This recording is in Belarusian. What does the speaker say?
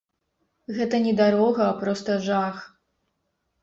Гэта не дарога, а проста жах.